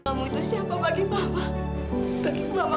kamu itu siapa bagi mama